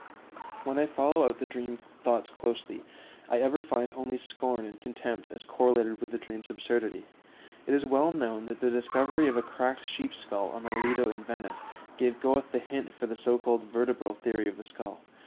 When I follow out the dream thoughts closely, I ever find only scorn and contempt as correlated with the dream's absurdity. It is well known that the discovery of a cracked sheep's skull on the Lido in Venice gave Goethe the hint for the so called vertebral theory of the skull.